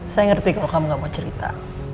saya ngerti kalau kamu gak mau cerita